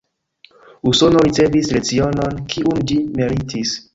Usono ricevis lecionon, kiun ĝi meritis.